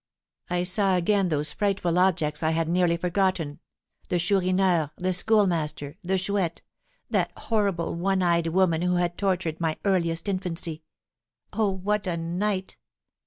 I saw again those frightful objects I had nearly forgotten the Chourineur, the Schoolmaster, the Chouette that horrible, one eyed woman who had tortured my earliest infancy. Oh, what a night!